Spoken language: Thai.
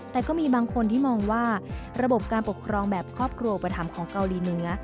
แต่ก็มีบางคนที่มองว่าระบบการปกครองแบบครอบครัวอุปถัมภ์ของเกาหลีเหนือ